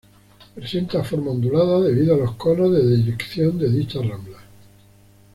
Presenta forma ondulada debido a los conos de deyección de dichas ramblas.